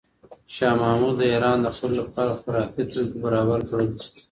شاه محمود د ایران د خلکو لپاره خوراکي توکي برابر کړل.